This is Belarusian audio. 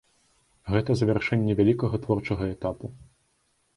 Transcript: Гэта завяршэнне вялікага творчага этапу.